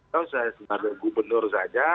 saya sebagai gubernur saja